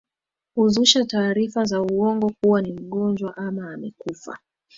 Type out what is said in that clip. huzusha taarifa za uongo kuwa ni mgonjwa ama amekufa